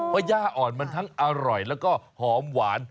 เพราะย่าอ่อนมันทั้งอร่อยแล้วก็หอมหวาน